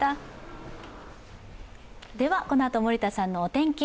このあとは森田さんのお天気。